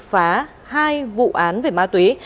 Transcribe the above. phá hai vụ án về ma túy